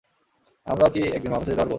আমরাও কি একদিন মহাকাশে যেতে পারব?